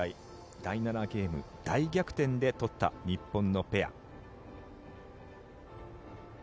第７ゲーム大逆転で取った日本のペア。